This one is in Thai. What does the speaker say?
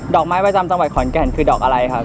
ดอกไม้ไม่จำจำไว้ขอนแกนคือดอกอะไรครับ